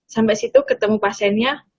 sampai situ ketemu pasiennya